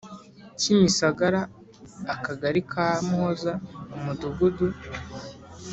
Kimisagara akagali Kamuhoza Umudugudu